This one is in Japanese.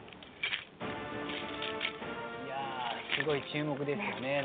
すごい注目ですね